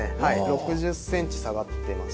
６０センチ下がってます。